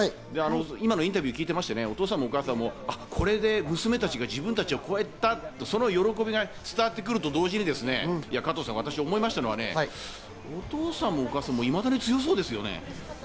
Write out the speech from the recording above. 今のインタビューを聞いていまして、お父さんもお母さんもこれで娘たちが自分たちを超えたとその喜びが伝わってくると同時に、今思いましたのは、お父さんもお母さんもいまだに強そうですよね。